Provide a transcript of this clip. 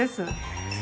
へえ。